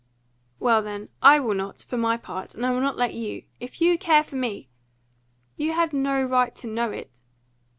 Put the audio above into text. "Well, then, I WILL not, for my part, and I will not let you. If you care for me " "You had no right to know it."